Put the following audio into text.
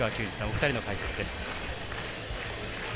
お二人の解説です。